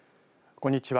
こんにちは。